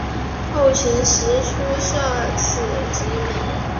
后秦时初设此职名。